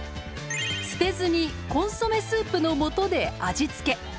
捨てずにコンソメスープのもとで味付け。